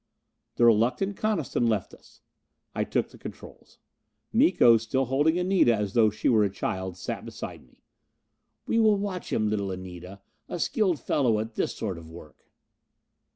The reluctant Coniston left us. I took the controls. Miko, still holding Anita as though she were a child, sat beside me. "We will watch him, little Anita. A skilled fellow at this sort of work."